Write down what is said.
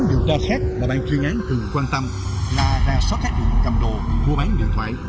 các điều tra khác mà bàn chuyên án từng quan tâm là ra xót các đường cầm đồ mua bán điện thoại